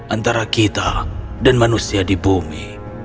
antara kita dan manusia di bumi